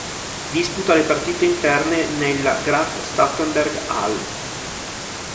Disputa le partite interne nella Graf-Stauffenberg-Halle.